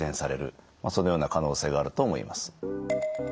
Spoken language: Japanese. そのような可能性があると思います。